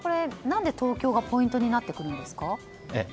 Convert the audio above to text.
何で東京がポイントになってくるんですか？